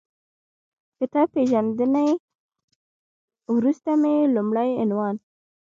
کتاب پېژندنې وروسته مې لومړی عنوان